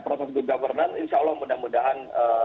proses good governance insya allah mudah mudahan